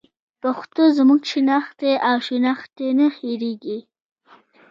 پښتو زموږ شناخت دی او شناخت دې نه هېرېږي.